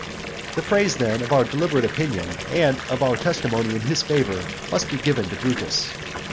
The praise then of our deliberate opinion, and of our testimony in his favour, must be given to Brutus.